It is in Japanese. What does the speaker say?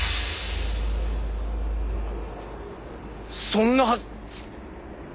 そんなはず。